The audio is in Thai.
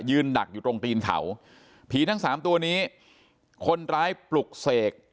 ดักอยู่ตรงตีนเขาผีทั้งสามตัวนี้คนร้ายปลุกเสก